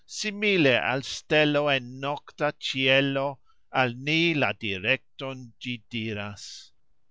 Simile al stelo en nokta cxielo, Al ni la direkton gxi diras.